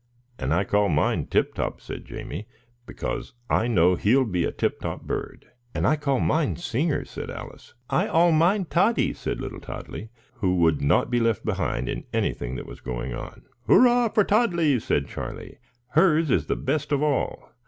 "And I call mine Tip Top," said Jamie, "because I know he'll be a tip top bird." "And I call mine Singer," said Alice. "I 'all mine Toddy," said little Toddlie, who would not be behindhand in anything that was going on. "Hurrah for Toddlie!" said Charlie; "hers is the best of all.